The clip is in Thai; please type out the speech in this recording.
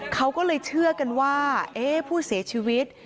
เขาก็เลยเชื่อกันว่าผู้เสียชีวิต